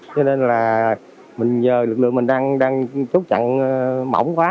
cho nên là mình nhờ lực lượng mình đang chốt chặn mỏng quá